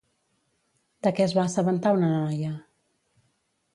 De què es va assabentar una noia?